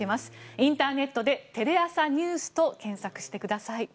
インターネットで「テレ朝ｎｅｗｓ」と検索してください。